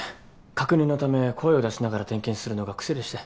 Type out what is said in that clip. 確認のため声を出しながら点検するのが癖でして。